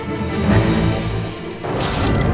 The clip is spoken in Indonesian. nanti mereka muncul